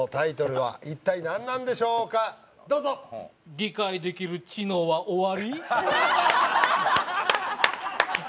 理解できる知能はおあり？